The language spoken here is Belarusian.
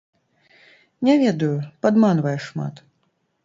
Не ведаю, падманвае шмат.